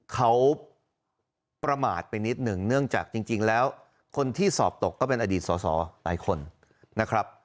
เขาประมาทไปนิดหนึ่งเนื่องจากจริงแล้วคนที่สอบตกก็เป็นอดีตสอสอหลายคนนะครับ